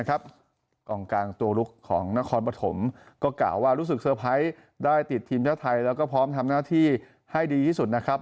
กองกลางตัวลุกของนครปฐมก็กล่าวว่ารู้สึกเซอร์ไพรส์ได้ติดทีมชาติไทยแล้วก็พร้อมทำหน้าที่ให้ดีที่สุดนะครับ